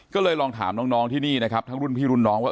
ก็เลยลองถามน้องที่นี่นะครับทั้งรุ่นพี่รุ่นน้องว่า